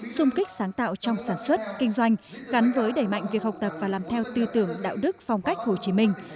xung kích sáng tạo trong sản xuất kinh doanh gắn với đẩy mạnh việc học tập và làm theo tư tưởng đạo đức phong cách hồ chí minh